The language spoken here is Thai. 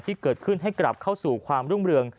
ที่เกิดขึ้นให้กลับเข้าสู่ความรุ่งเรือง